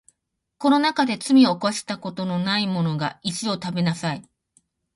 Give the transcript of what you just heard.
この中で罪を犯したことのないものが石を食べなさい